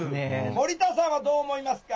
森田さんはどう思いますか？